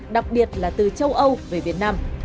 đặc biệt là từ châu âu về việt nam